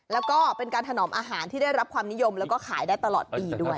แล้วก็เป็นการถนอมอาหารที่ได้รับความนิยมแล้วก็ขายได้ตลอดปีด้วย